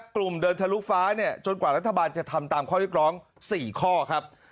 เดินทะลุฟ้าเนี่ยจนกว่ารัฐบาลจะทำตามข้อเรียกร้อง๔ข้อครับ